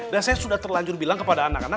dan saya sudah terlanjur bilang kepada anak anak